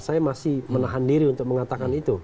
saya masih menahan diri untuk mengatakan itu